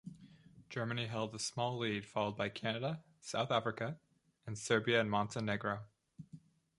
Germany held a small lead followed by Canada, South Africa and Serbia and Montenegro.